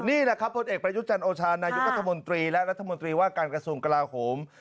นี่แหละครับผลเอกประยุทธ์จันทร์โอชานายกรัฐมนตรีและรัฐมนตรีว่าการกระทรวงกลาโหม